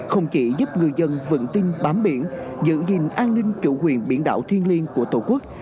không chỉ giúp ngư dân vững tin bám biển giữ gìn an ninh chủ quyền biển đảo thiên liên của tổ quốc